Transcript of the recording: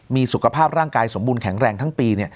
มีสุขภาพร่างกายสมบูรณแข็งแรงทั้งปี